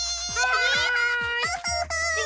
はい。